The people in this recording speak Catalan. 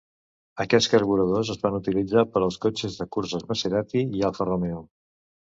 Aquests carburadors es van utilitzar per als cotxes de curses Maserati i Alfa Romeo.